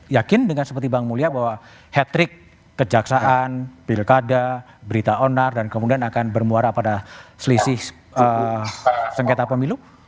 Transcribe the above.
yakin dengan seperti bang mulya bahwa hat trick kejaksaan pilkada berita onar dan kemudian akan bermuara pada selisih sengketa pemilu